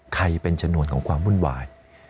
ใครเป็นชนวนของความวุ่นวาย